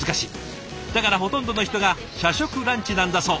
だからほとんどの人が社食ランチなんだそう。